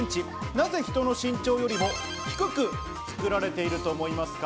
なぜ人の身長よりも低く作られていると思いますか？